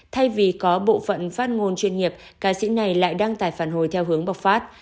thay vì có bộ phận phát ngôn chuyên nghiệp ca sĩ này lại đăng tải phản hồi theo hướng bộc phát